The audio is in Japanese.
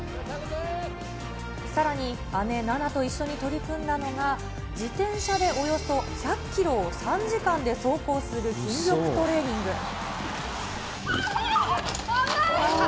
さらに姉、菜那と一緒に取り組んだのが、自転車でおよそ１００キロを３時間で走行する筋力トレーニング。